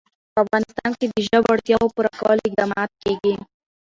په افغانستان کې د ژبو اړتیاوو پوره کولو اقدامات کېږي.